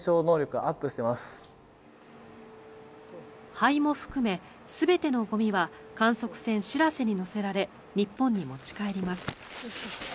灰も含め、全てのゴミは観測船「しらせ」に載せられ日本に持ち帰ります。